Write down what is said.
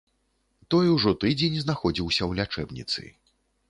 Той ужо тыдзень знаходзіўся ў лячэбніцы.